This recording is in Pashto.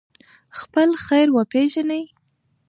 خپل خیر وپېژنئ.